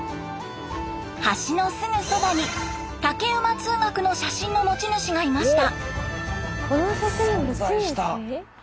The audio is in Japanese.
橋のすぐそばに竹馬通学の写真の持ち主がいました。